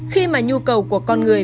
khi mà nhu cầu của con người